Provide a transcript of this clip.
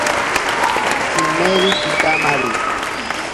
Tsimeri kitamari.